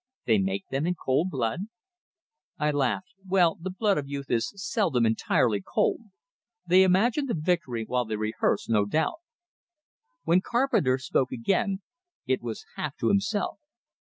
"They make them in cold blood?" I laughed. "Well, the blood of youth is seldom entirely cold. They imagine the victory while they rehearse, no doubt." When Carpenter spoke again, it was half to himself.